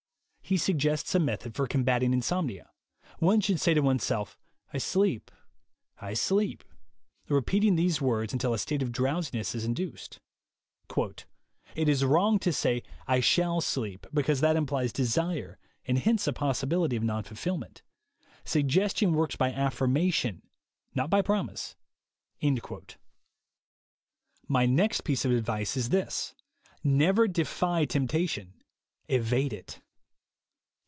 He suggests a method for combatting insomnia. One should say to one self, "I sleep, I sleep," repeating these words until a state of drowsiness is induced. "It is wrong to say, 'I shall sleep,' because that implies desire, and hence a possibility of non fulfillment. Suggestion works by affirmation, not by promise." My next piece of advice is this : Never defy temptation — evade it.